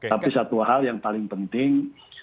tapi satu hal yang paling penting